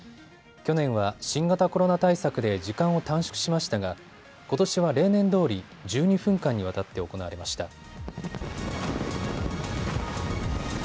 去年は新型コロナ対策で時間を短縮しましたがことしは例年どおり１２分間にわたって行われました。